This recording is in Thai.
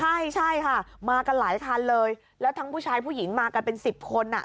ใช่ใช่ค่ะมากันหลายคันเลยแล้วทั้งผู้ชายผู้หญิงมากันเป็นสิบคนอ่ะ